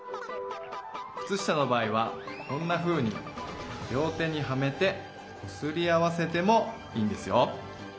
くつ下の場合はこんなふうに両手にはめてこすり合わせてもいいんですよ。